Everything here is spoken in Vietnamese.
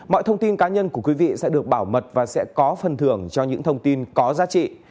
mọi thông tin cá nhân của quý vị sẽ được bảo mật và sẽ có phần thưởng cho những thông tin có giá trị